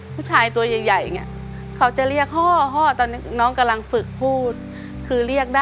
ผู้ชายตัวใหญ่เนี่ย